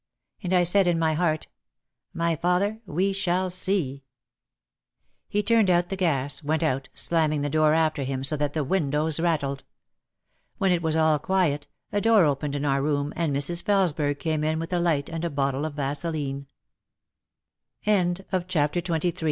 And I said in my heart, "My father, we shall see !" He turned out the gas, went out, slamming the door after him so that the windows rattled. When it was all quiet, a door opened in our room and Mrs. Felesberg came in with a light and a b